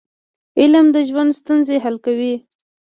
علم د ژوند ستونزې حل کوي.